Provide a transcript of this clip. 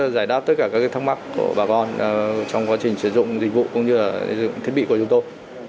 giải đáp tất cả các thắc mắc của bà con trong quá trình sử dụng dịch vụ cũng như là thiết bị của chúng tôi